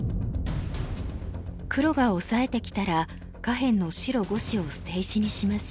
黒がオサえてきたら下辺の白５子を捨て石にします。